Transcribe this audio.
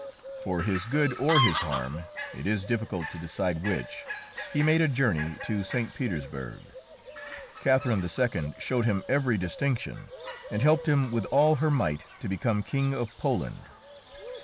For his good or his harm it is difficult to decide which he made a journey to St. Petersburg. Catherine II. showed him every distinction, and helped him with all her might to become King of Poland.